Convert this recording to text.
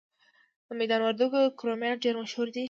د میدان وردګو کرومایټ ډیر مشهور دی.